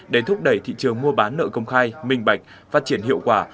để thúc đẩy thị trường mua bán nợ công khai minh bạch phát triển hiệu quả